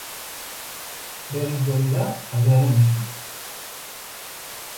Begiz begi da taldearen izena.